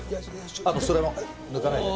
あとそれも抜かないで。